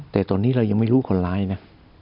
แต่ตอนนี้เรายังไม่รู้คนร้ายนะ